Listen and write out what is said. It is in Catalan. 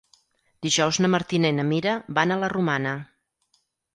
Dijous na Martina i na Mira van a la Romana.